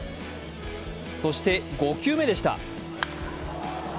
そして、５球目でした。